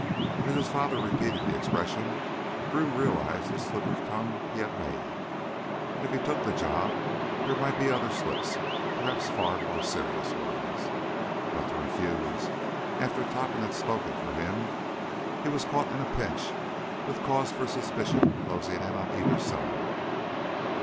As his father repeated the expression Drew realized the slip of tongue he had made. And if he took the job, there might be other slips, perhaps far more serious ones. But to refuse, after Topham had spoken for him ... he was caught in a pinch with cause for suspicion closing in on either side.